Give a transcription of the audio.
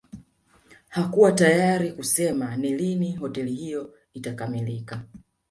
Hakuwa tayari kusema ni lini hoteli hiyo itakamilika